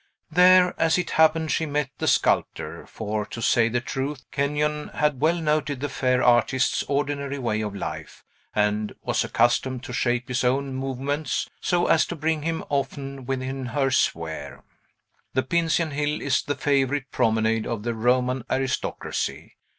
There, as it happened, she met the sculptor, for, to say the truth, Kenyon had well noted the fair artist's ordinary way of life, and was accustomed to shape his own movements so as to bring him often within her sphere. The Pincian Hill is the favorite promenade of the Roman aristocracy.